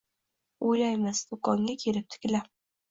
O’ylaymiz: «Do’konga kelibdi gilam